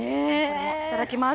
いただきます。